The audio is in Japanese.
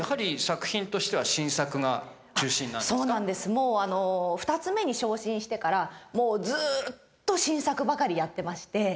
もう二ツ目に昇進してからもうずっと新作ばかりやってまして。